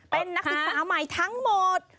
เป็นนักศึกษาใหม่ทั้งหมด